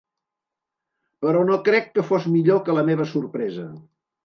Però no crec que fos millor que la meva sorpresa.